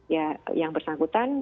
ya yang bersangkutan